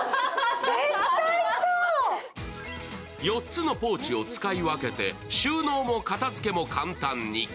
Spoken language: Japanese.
４つのポーチを使い分けて収納も片付けも簡単に。